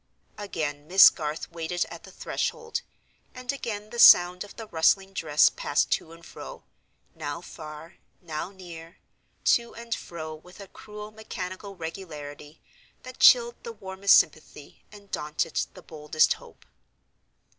Again Miss Garth waited at the threshold, and again the sound of the rustling dress passed to and fro—now far, now near—to and fro with a cruel, mechanical regularity, that chilled the warmest sympathy, and daunted the boldest hope.